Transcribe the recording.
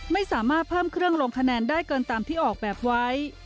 ไม่สามารถเพิ่มเครื่องลงคะแนนได้เกินตามที่ออกแบบไว้